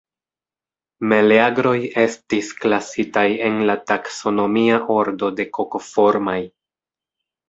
Meleagroj estis klasitaj en la taksonomia ordo de Kokoformaj.